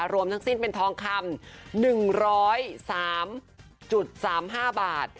รวมทั้งสิ้นเป็นทองคำ๑๐๓๓๕บาท